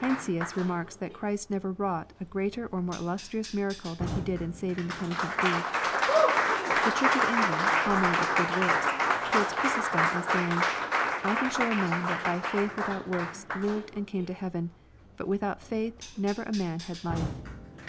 Heinsius remarks that Christ never wrought a greater or more illustrious miracle than He did in saving the penitent Uuef Th« Church of England Homily of Good Works quotes Chry sostom, saying, '* I can show a man that by fixith without works lived and came to heaven : but without faith never man had life.